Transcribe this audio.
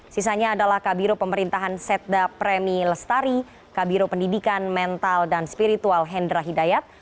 sisanya adalah kabiro pemerintahan setda premi lestari kabiro pendidikan mental dan spiritual hendra hidayat